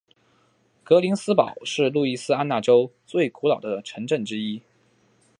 格林斯堡是路易斯安那州最古老的城镇之一。